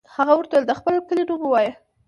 هغه ورته د خپل کلي نوم ووایه.